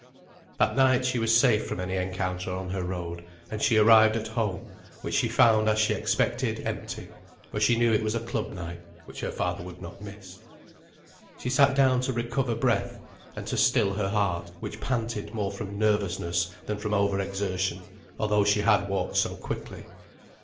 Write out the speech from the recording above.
That night she was safe from any encounter on her road, and she arrived at home, which she found as she expected, empty; for she knew it was a club night, which her father would not miss. She sat down to recover breath, and to still her heart, which panted more from nervousness than from over exertion, although she had walked so quickly.